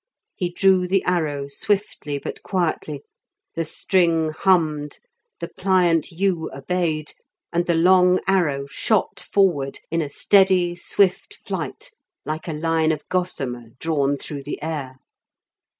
He drew the arrow swiftly but quietly, the string hummed, the pliant yew obeyed, and the long arrow shot forward in a steady swift flight like a line of gossamer drawn through the air.